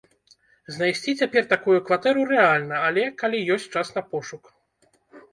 Знайсці цяпер такую кватэру рэальна, але, калі ёсць час на пошук.